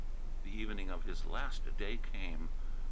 The evening of his last day came.